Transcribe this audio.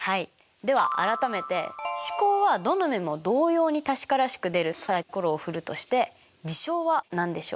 では改めて試行はどの目も同様に確からしく出るサイコロを振るとして事象は何でしょう？